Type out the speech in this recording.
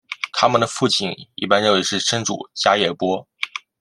他们的父亲一般认为是生主迦叶波。